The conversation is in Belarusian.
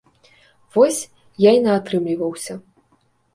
Вось, я і наатрымліваўся!